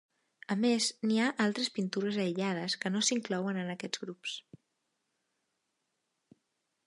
A més n'hi ha altres pintures aïllades que no s'inclouen en aquests grups.